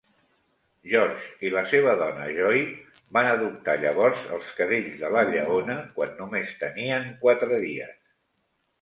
George i la seva dona Joy van adoptar llavors els cadells de la lleona, quan només tenien quatre dies.